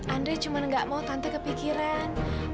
andre cuma gak mau tante kepikiran